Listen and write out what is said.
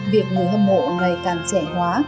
việc người hâm mộ ngày càng trẻ hóa